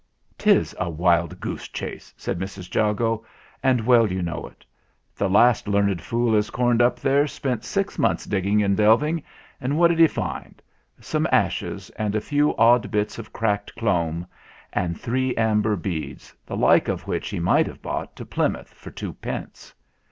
" 'Tis a wild goose chase," said Mrs. Jago, "and well you know it. The last learned fool as corned up here spent six months digging and delving, and what did he find? Some ashes, and a few odd bits of cracked cloam, and 70 THE FLINT HEART three amber beads, the like of which he might have bought to Plymouth for two pence.